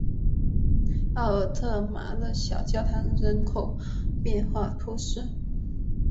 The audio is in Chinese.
奥尔特马勒小教堂人口变化图示